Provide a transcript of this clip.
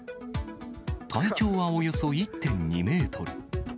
体長はおよそ１．２メートル。